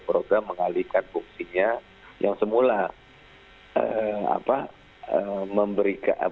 program mengalihkan fungsinya yang semula